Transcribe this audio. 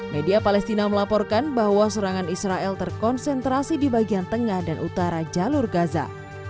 media palestina melaporkan bahwa serangan israel terkonsentrasi di bagian tengah dan utara jalur gaza